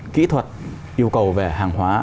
kỹ thuật yêu cầu về hàng hóa